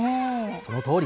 そのとおり。